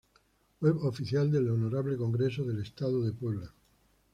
Web oficial del Honorable Congreso del Estado de Puebla